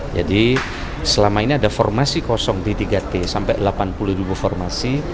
jadi selama ini ada formasi kosong di tiga t sampai delapan puluh ribu formasi